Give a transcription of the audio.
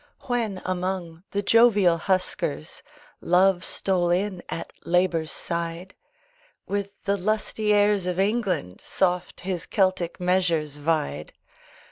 When, among the jovial huskers Love stole in at Labor's side With the lusty airs of England Soft his Celtic measures vied.